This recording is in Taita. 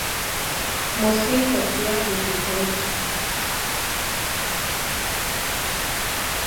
Mosi ghwachua irikonyi